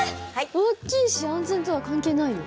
大きいし安全とは関係ないよ。